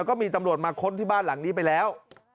ก็มีตำรวจมาค้นที่บ้านหลังนี้ไปแล้ว